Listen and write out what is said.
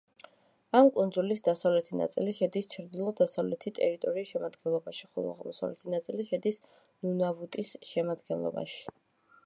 ამ კუნძულის დასავლეთი ნაწილი შედის ჩრდილო-დასავლეთი ტერიტორიის შემადგენლობაში, ხოლო აღმოსავლეთი ნაწილი შედის ნუნავუტის შემადგენლობაში.